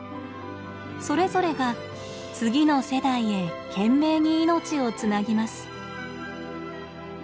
それぞれが次の世代へ懸命に命をつなぎます。